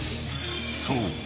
［そう。